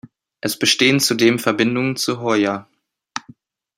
Es bestehen zudem Verbindungen zu Hoya.